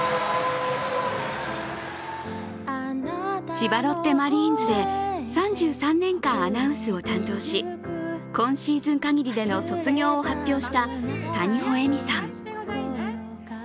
千葉ロッテマリーンズで３３年間アナウンスを担当し今シーズン限りでの卒業を発表した谷保恵美さん。